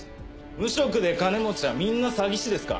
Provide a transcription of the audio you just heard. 無職で金持ちはみんな詐欺師ですか？